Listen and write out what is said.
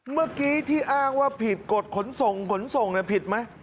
เมื่อกี้ที่อ้างว่าผิดกฎขนส่งขนส่งผิดไหม